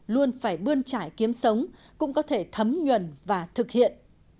luôn phải bươn trải kiếm sống cũng có thể thấm nhuần và thực hiện